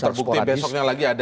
terbukti besoknya lagi ada